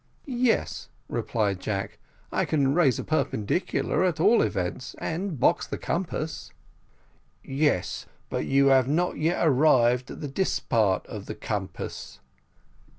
"Yes," replied Jack, "I can raise a perpendicular, at all events, and box the compass." "Yes, but you have not yet arrived at the dispart of the compass."